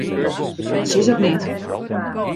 Dat sis ik net.